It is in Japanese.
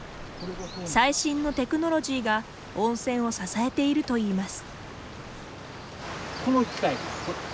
最新のテクノロジーが温泉を支えているといいます。